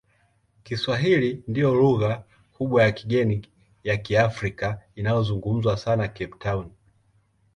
Kiswahili ndiyo lugha kubwa ya kigeni ya Kiafrika inayozungumzwa sana Cape Town.